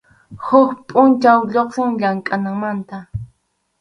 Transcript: Huk pʼunchaw lluqsin llamkʼananmanta.